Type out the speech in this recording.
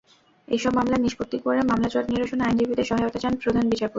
এসব মামলা নিষ্পত্তি করে মামলাজট নিরসনে আইনজীবীদের সহায়তা চান প্রধান বিচারপতি।